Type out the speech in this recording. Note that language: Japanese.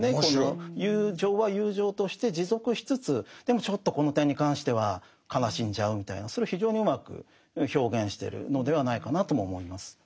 友情は友情として持続しつつでもちょっとこの点に関しては悲しんじゃうみたいなそれを非常にうまく表現してるのではないかなとも思います。